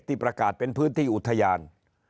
ประกาศเป็นพื้นที่อุทยาน